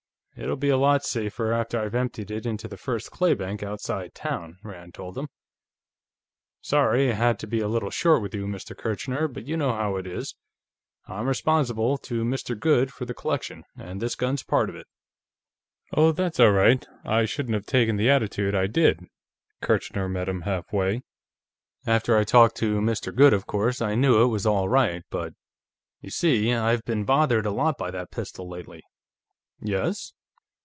"It'll be a lot safer after I've emptied it into the first claybank, outside town," Rand told him. "Sorry I had to be a little short with you, Mr. Kirchner, but you know how it is. I'm responsible to Mr. Goode for the collection, and this gun's part of it." "Oh, that's all right; I really shouldn't have taken the attitude I did," Kirchner met him halfway. "After I talked to Mr. Goode, of course, I knew it was all right, but ... You see, I've been bothered a lot about that pistol, lately." "Yes?"